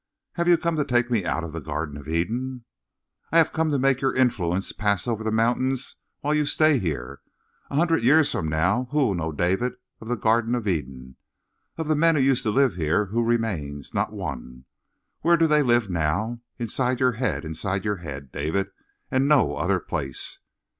"Have you come to take me out of the Garden of Eden?" "I have come to make your influence pass over the mountains while you stay here. A hundred years from now who will know David of the Garden of Eden? Of the men who used to live here, who remains? Not one! Where do they live now? Inside your head, inside your head, David, and no other place!"